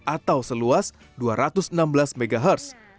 atau seluas dua ratus enam belas mhz